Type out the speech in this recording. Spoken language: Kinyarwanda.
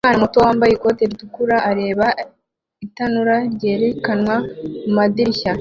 Umwana muto wambaye ikote ritukura areba itanura ryerekanwa mumadirishya